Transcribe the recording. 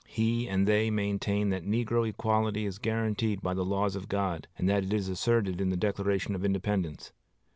He and they maintain that negro equality is guaranteed by the laws of God, and that it is asserted in the Declaration of Independence.